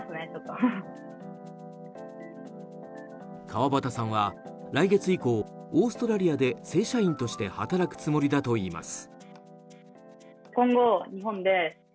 川畑さんは来月以降オーストラリアで正社員として働くつもりだといいます。